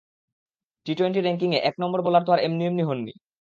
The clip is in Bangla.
টি টোয়েন্টি র্যাঙ্কিংয়ে এক নম্বর বোলার তো আর এমনি এমনি হননি।